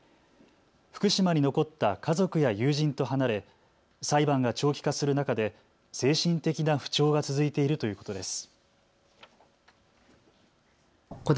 福島に残った家族や友人と離れ裁判が長期化する中で精神的な不調が続いているということです。